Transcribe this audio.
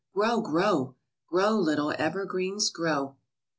Grow, grow! Grow, little evergreens, grow!